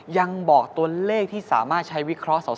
ยังบอกตัวเลขที่สามารถใช้วิเคราะห์